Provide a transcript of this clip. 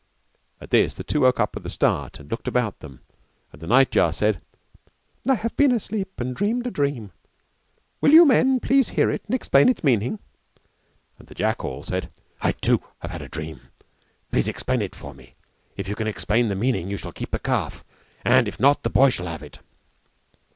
And at this the two woke up with a start and looked about them, and the night jar said "I have been asleep and dreamed a dream: will you men please hear it and explain its meaning?" And the jackal said, "I too have had a dream, please explain it for me. If you can explain the meaning you shall keep the calf and, if not, the boy shall have it."